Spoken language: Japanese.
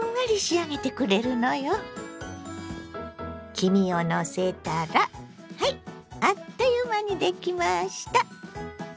黄身をのせたらはいあっという間にできました！